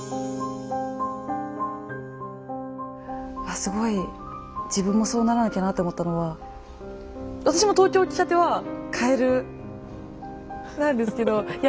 すごい自分もそうならなきゃなって思ったのは私も東京来たてはカエルなんですけどいや